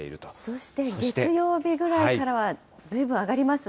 そして月曜日ぐらいからは、ずいぶん上がりますね。